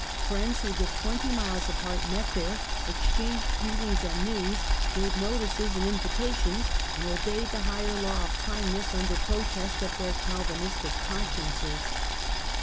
Friends wlio lived twenty miles apart, met here, exchanged greet ings and news, gave notices and invitations, and obey ed the higher law of kindness under protest of theii Calvinistic consciences.